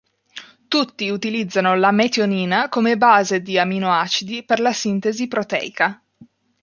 Tutti utilizzano la metionina come base di aminoacidi per la sintesi proteica.